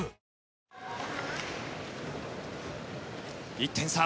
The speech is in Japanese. １点差。